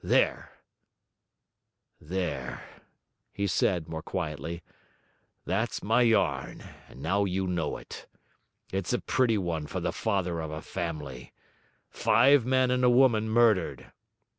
There,' he said more quietly, 'that's my yarn, and now you know it. It's a pretty one for the father of a family. Five men and a woman murdered.